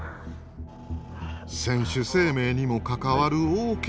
選手生命にも関わる大けが。